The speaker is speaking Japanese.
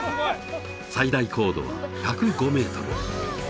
最大高度は１０５メートル